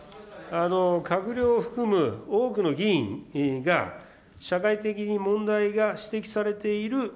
閣僚を含む多くの議員が社会的に問題が指摘されている